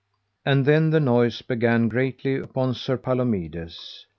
And then the noise began greatly upon Sir Palomides.